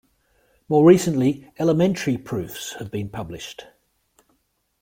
More recently, elementary proofs have been published.